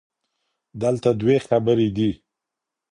دلته دوې خبري دي